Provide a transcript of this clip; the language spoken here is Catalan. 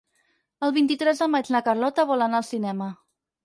El vint-i-tres de maig na Carlota vol anar al cinema.